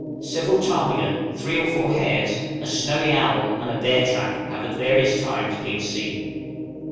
Several ptarmigan, three or four hares, a snowy owl, and a bear track, have at various times been seen.